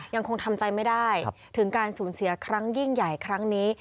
ยังคงทำใจไม่ได้ถึงการสูญเสียครั้งยิ่งใหญ่ครั้งนี้